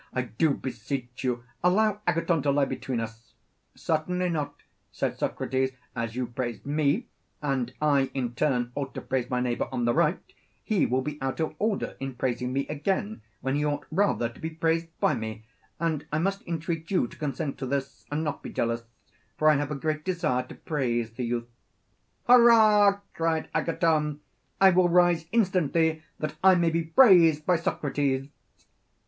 I do beseech you, allow Agathon to lie between us. Certainly not, said Socrates, as you praised me, and I in turn ought to praise my neighbour on the right, he will be out of order in praising me again when he ought rather to be praised by me, and I must entreat you to consent to this, and not be jealous, for I have a great desire to praise the youth. Hurrah! cried Agathon, I will rise instantly, that I may be praised by Socrates.